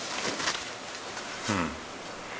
うん。